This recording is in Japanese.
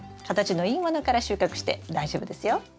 形のいいものから収穫して大丈夫ですよ。